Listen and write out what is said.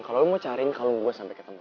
kalau lo mau cariin kalau gue sampai ketemu